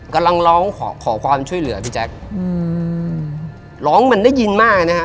กำลังร้องขอขอความช่วยเหลือพี่แจ๊คอืมร้องมันได้ยินมากนะฮะ